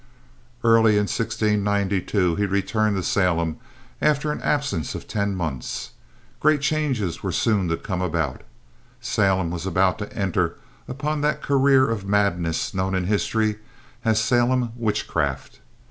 Early in 1692, he returned to Salem after an absence of ten months. Great changes were soon to come about. Salem was about to enter upon that career of madness known in history as Salem Witchcraft.